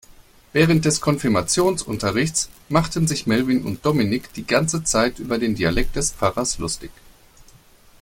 Während des Konfirmationsunterrichts machten sich Melvin und Dominik die ganze Zeit über den Dialekt des Pfarrers lustig.